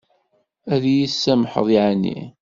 Ad yi-tsamḥeḍ yeεni?